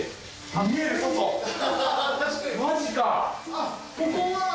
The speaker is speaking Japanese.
あっここは。